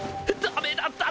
ダメだ！